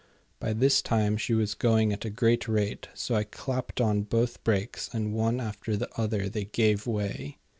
By this time she was going at a great rate, so I clapped on both brakes, and one after the other they gave way.